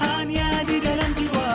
hanya di dalam jiwa